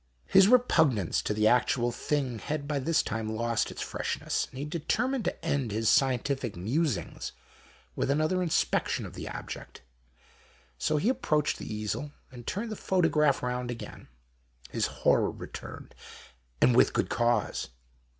His repugnance to the actual thing had by this time lost its freshness, and he determined to end his scientific musings with another in spection of the object. So he approached the easel and turned the photograph round again. His horror returned, and with good cause.